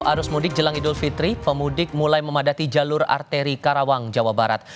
arus mudik jelang idul fitri pemudik mulai memadati jalur arteri karawang jawa barat